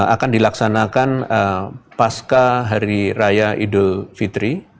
akan dilaksanakan pasca hari raya idul fitri